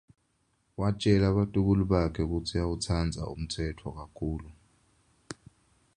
Watjela batukulu bakhe kutsi uyawutsandza umtsetfo kakhulu.